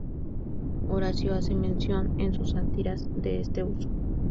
Horacio hace mención en sus "Sátiras" de este uso.